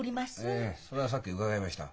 ええそれはさっき伺いました。